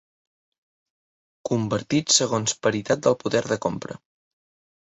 Convertits segons paritat del poder de compra.